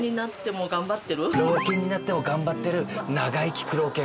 老犬になっても頑張ってる長生き苦労犬。